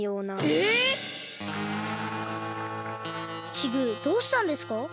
チグどうしたんですか？